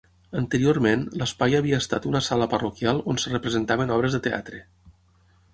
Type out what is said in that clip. Anteriorment, l'espai havia estat una sala parroquial on es representaven obres de teatre.